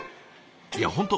いや本当